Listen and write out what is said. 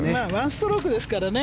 １ストロークですからね。